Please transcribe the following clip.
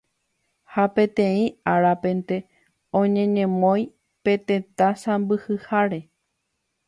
ha peteĩ árapente oñeñemoĩ pe tetã sãmbyhyháre